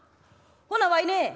ほなわいね